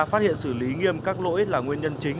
phát hiện xử lý nghiêm các lỗi là nguyên nhân chính